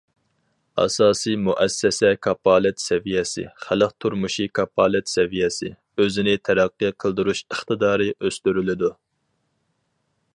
ئاساسىي مۇئەسسەسە كاپالەت سەۋىيەسى، خەلق تۇرمۇشى كاپالەت سەۋىيەسى، ئۆزىنى تەرەققىي قىلدۇرۇش ئىقتىدارى ئۆستۈرۈلىدۇ.